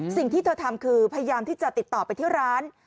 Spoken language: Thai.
สิ่งที่เธอทำคือพยายามที่จะติดต่อไปที่ร้าน